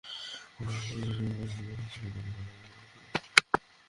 পরে মুক্তিপণ হিসেবে তার বাবার কাছে দুই লাখ টাকা দাবি করে অপহরণকারীরা।